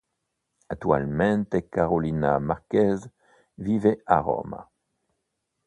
Attualmente Carolina Márquez vive a Roma.